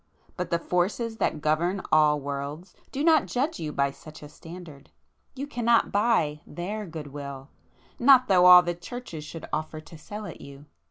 But the Forces that govern all worlds, do not judge you by such a standard,—you cannot buy their good will, not though all the Churches should offer to sell it you!